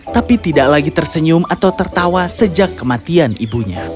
tapi tidak lagi tersenyum atau tertawa sejak kematian ibunya